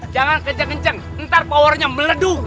jangan kenceng kenceng ntar powernya meleduh